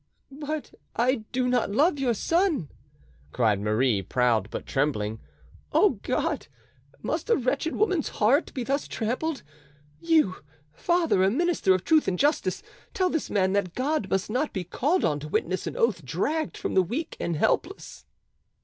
"But I do not love your son!" cried Marie, proud but trembling. "O God, must a wretched woman's heart be thus trampled? You, father, a minister of truth and justice, tell this man that God must not be called on to witness an oath dragged from the weak and helpless!"